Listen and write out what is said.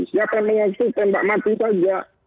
siapa yang mengekstur tembak mati saja